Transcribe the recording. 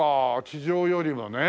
地上よりもね。